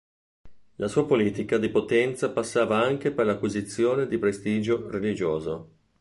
La sua politica di potenza passava anche per l'acquisizione di prestigio religioso.